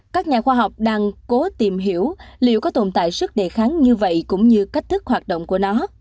các nhà khoa học đang cố tìm hiểu liệu có tồn tại sức đề kháng như vậy cũng như cách thức hoạt động của nó